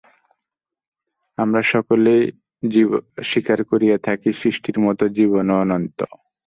আমরা সকলেই স্বীকার করিয়া থাকি, সৃষ্টির মত জীবনও অনন্ত।